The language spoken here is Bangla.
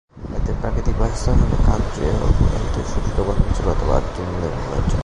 এদের প্রাকৃতিক বাসস্থান হল ক্রান্তীয় ও উপক্রান্তীয় শুষ্ক বনাঞ্চল অথবা আর্দ্র নিম্নভূমি অঞ্চল।